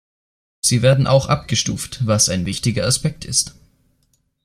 Sie werden auch abgestuft, was ein wichtiger Aspekt ist.